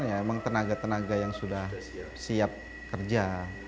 memang tenaga tenaga yang sudah siap kerja